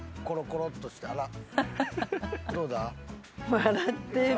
笑ってる。